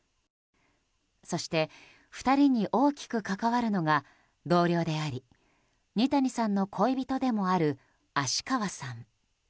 そして２人に大きく関わるのが同僚であり二谷さんの恋人でもある芦川さん。